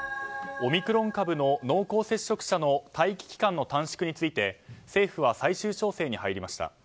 オミクロン株の濃厚接触者の待機期間の短縮について政府は最終調整に入りました。